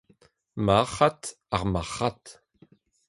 marc'had, ar marc'had